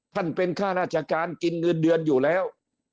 เป็นค่าราชการกินเงินเดือนอยู่แล้ว